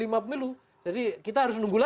lima pemilu jadi kita harus nunggu lagi